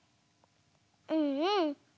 うんうん！